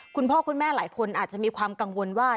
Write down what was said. คุณพ่อคุณแม่หลายคนอาจจะมีความกังวลว่า